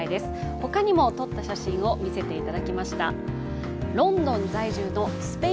他にも撮った写真を見せていただきました。